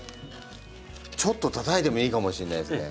ちょっとたたいてもいいかもしれないですね名人。